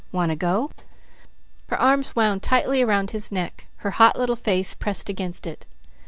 Want to go?" Her arms wound tightly around his neck. Her hot little face pressed against it.